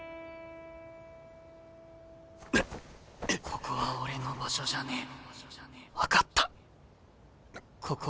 ここは俺の場所じゃねえ。